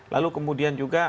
lalu kemudian juga